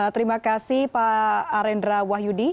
terima kasih pak arendra wahyudi